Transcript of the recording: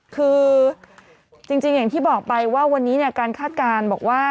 คือจริงอย่างที่บอกไปว่าวันนี้การคาดการณ์บอกว่า